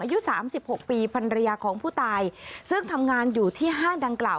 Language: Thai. อายุสามสิบหกปีพันรยาของผู้ตายซึ่งทำงานอยู่ที่ห้างดังกล่าว